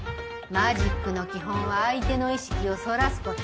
マジックの基本は相手の意識をそらすこと。